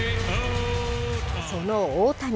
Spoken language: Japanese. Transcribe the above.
その大谷。